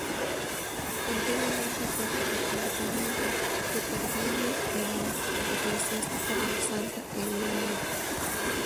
Antiguamente fue parroquia independiente, que pervive en la eclesiástica de Santa Eulalia.